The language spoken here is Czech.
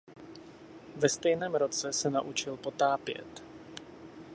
Ve stejném roce se naučil potápět.